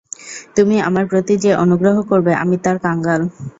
তুমি আমার প্রতি যে অনুগ্রহ করবে আমি তার কাঙ্গাল।